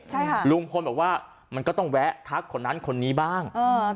ใช่ค่ะลุงพลบอกว่ามันก็ต้องแวะทักคนนั้นคนนี้บ้างเออ